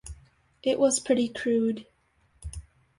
It was pretty crude.